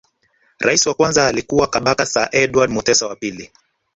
Rais wa kwanza alikuwa Kabaka Sir Edward Mutesa wa pili